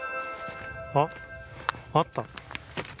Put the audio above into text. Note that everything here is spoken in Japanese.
あっあった。